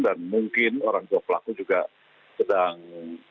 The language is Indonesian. dan mungkin orang tua pelaku juga sedang